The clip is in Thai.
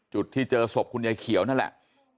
จุดที่เจอศพคุณยายเขียวนั่นแหละ